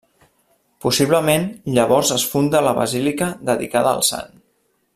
Possiblement llavors es funda la basílica dedicada al sant.